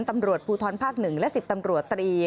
ตำรวจภูทรภาค๑และ๑๐ตำรวจตรี